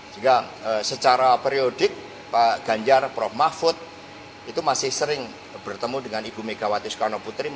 sehingga secara periodik pak ganjar prof mahfud itu masih sering bertemu dengan ibu megawati soekarno putri